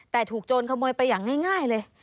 แต่ถูกโจรขโมยไปอย่างง่ายเลย